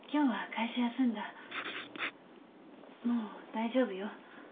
もう大丈夫よ。